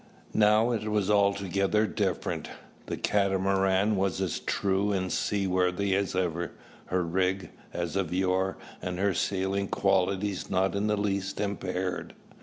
Now it was altogether different. The Catamaran was as true and seaworthy as ever, her "rig" as of yore, and her sailing qualities not in the least impaired.